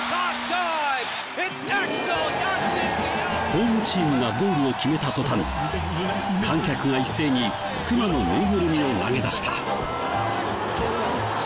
ホームチームがゴールを決めた途端観客が一斉にクマのぬいぐるみを投げ出した。